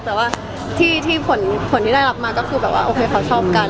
แต่ว่าที่ผลที่ได้รับมาก็คือแบบว่าโอเคเขาชอบกัน